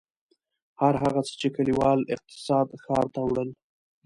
هر هغه څه چې کلیوال اقتصاد ښار ته وړل.